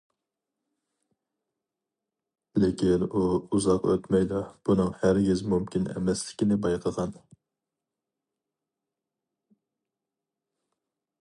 لېكىن ئۇ ئۇزاق ئۆتمەيلا بۇنىڭ ھەرگىز مۇمكىن ئەمەسلىكىنى بايقىغان.